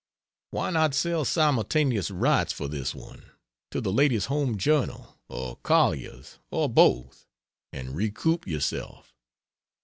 Why not sell simultaneous rights, for this once, to the Ladies' Home Journal or Collier's, or both, and recoup yourself?